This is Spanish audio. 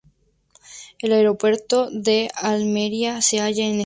El Aeropuerto de Almería se halla en esta zona.